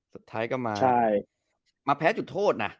สุดท้ายก็มาแพ้จุดโทษนะ